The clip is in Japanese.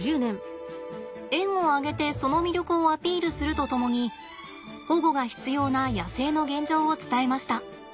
園を挙げてその魅力をアピールするとともに保護が必要な野生の現状を伝えました。